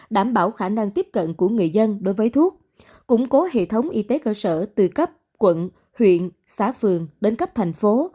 đảm bảo khả năng tiếp cận của người dân đối với thuốc củng cố hệ thống y tế cơ sở từ cấp quận huyện xã phường đến cấp thành phố